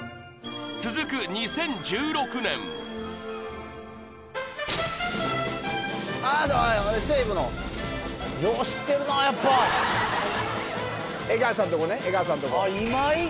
続く２０１６年ああっ西武のよう知ってるなやっぱ江川さんとこね江川さんとこあっ今井？